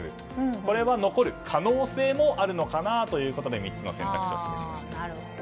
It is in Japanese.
これは残る可能性もあるのかなということで３つの選択肢を示しました。